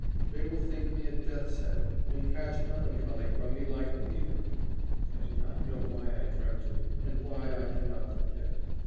They will think me a death's head, and catch melancholy from me like a fever. I do not know why I dreamt it, and why I cannot forget.